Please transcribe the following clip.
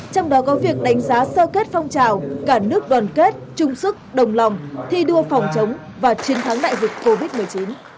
trong đó có việc đánh giá sơ kết phong trào cả nước đoàn kết chung sức đồng lòng thi đua phòng chống và chiến thắng đại dịch covid một mươi chín